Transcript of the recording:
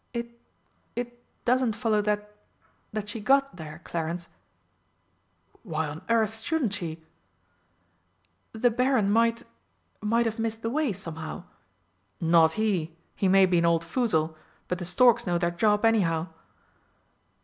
"It it doesn't follow that that she got there, Clarence." "Why on earth shouldn't she?" "The Baron might might have missed the way somehow." "Not he! He may be an old foozle, but the storks know their job, anyhow."